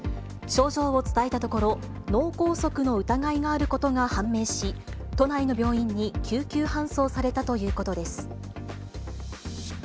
症状を伝えたところ、脳梗塞の疑いがあることが判明し、都内の病院に救急搬送されたということです。